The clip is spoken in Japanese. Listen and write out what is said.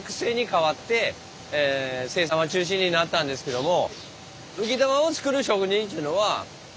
それがになったんですけども。